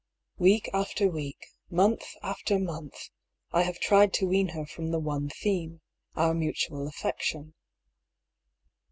Week after week, month after month, I have tried to wean her from the one theme — our mutual affection.